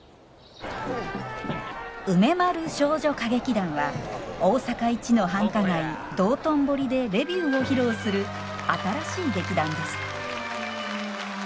梅丸少女歌劇団は大阪一の繁華街道頓堀でレビューを披露する新しい劇団です